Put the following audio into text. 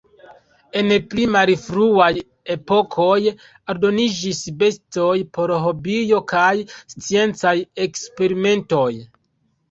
En pli malfruaj epokoj aldoniĝis bestoj por hobio kaj sciencaj eksperimentoj.